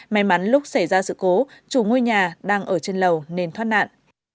may mắn lúc xảy ra sự cố chủ ngôi nhà đang ở trên lầu nên thoát nạn